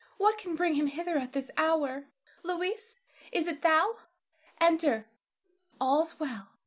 What can bring him hither at this hour? Louis, is it thou? Enter; "all's well."